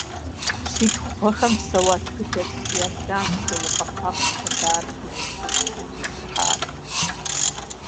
Щитху гъэхэм псэуа тхыдэтх Иорданщ Даукъуэ Пакъ и хъыбарыр дунейпсо утыкум къизыхьар.